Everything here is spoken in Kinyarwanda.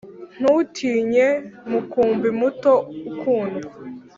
ntutinye, mukumbi muto ukundwa